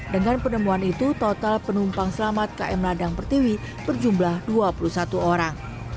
dengan penemuan itu total penumpang selamat km ladang pertiwi berjumlah dua puluh satu orang